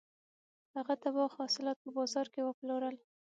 هغه د باغ حاصلات په بازار کې وپلورل.